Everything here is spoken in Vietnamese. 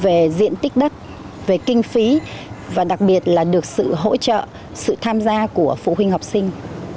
về diện tích đất về kinh phí và đặc biệt là được sự hỗ trợ sự tham gia của phụ huynh học sinh